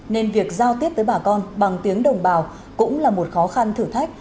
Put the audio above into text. nên việc giao tiếp với bà con bằng tiếng đồng bào cũng là một khó khăn thử thách